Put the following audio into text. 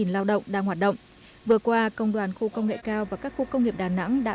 lao động đang hoạt động vừa qua công đoàn khu công nghệ cao và các khu công nghiệp đà nẵng đã